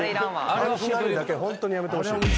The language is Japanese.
あの「ヒラリ」だけはホントにやめてほしい。